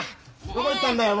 どこ行ったんだよ